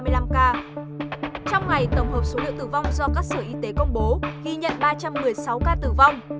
trong ngày tổng hợp số liệu tử vong do các sở y tế công bố ghi nhận ba trăm một mươi sáu ca tử vong